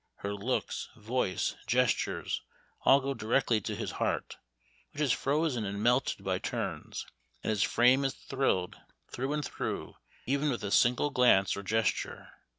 Her looks, voice, gestures, all go directly to his heart, which is frozen and melted by turns, and his frame is thrilled through and through, even with a single glance or gesture.